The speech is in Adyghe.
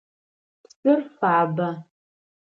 Псыр фабэ.